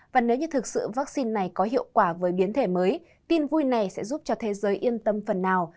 và nếu như thực sự vaccine này có hiệu quả với biến thể mới tin vui này sẽ giúp cho thế giới yên tâm phần nào